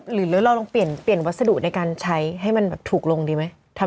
หรือเราลองเปลี่ยนวัสดุในการใช้ให้มันแบบถูกลงดีไหม